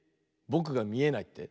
ぼくがみえないって？